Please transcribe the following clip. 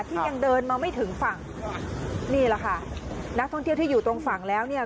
ที่ยังเดินมาไม่ถึงฝั่งนี่แหละค่ะนักท่องเที่ยวที่อยู่ตรงฝั่งแล้วเนี่ย